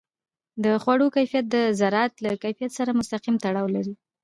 د خوړو کیفیت د زراعت له کیفیت سره مستقیم تړاو لري.